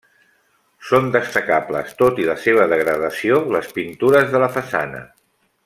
Són destacables, tot i la seva degradació, les pintures de la façana.